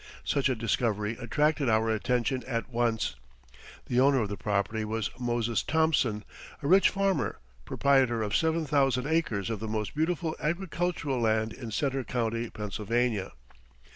Such a discovery attracted our attention at once. The owner of the property was Moses Thompson, a rich farmer, proprietor of seven thousand acres of the most beautiful agricultural land in Center County, Pennsylvania.